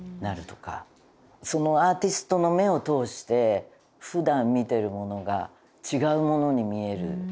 そのアーティストの目を通して普段見てるものが違うものに見える。